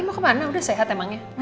mau kemana udah sehat emang ya